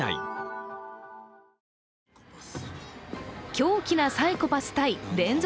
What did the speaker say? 狂気なサイコパス対連続